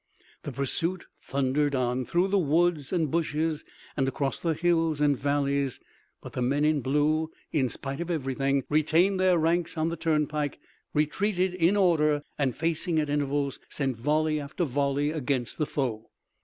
The pursuit thundered on, through the woods and bushes and across the hills and valleys, but the men in blue, in spite of everything, retained their ranks on the turnpike, retreated in order, and facing at intervals, sent volley after volley against the foe.